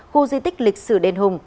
khu di tích lịch sử đền hùng